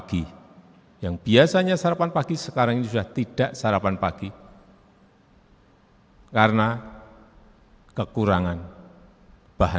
dunia juga sudah lebih dari delapan miliar penduduk dunia